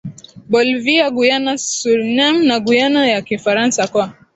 Bolivia Guyana Suriname na Guyana ya Kifaransa kwa